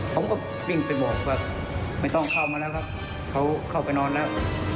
ผมก็วิ่งไปบอกว่าไม่ต้องเข้ามาแล้วครับเขาเข้าไปนอนแล้ว